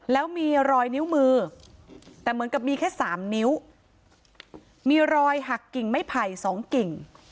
แล้วมีรอยนิ้วมือแต่เหมือนกับมีแค่สามนิ้วมีรอยหักกิ่งไม้ไผ่สองกิ่ง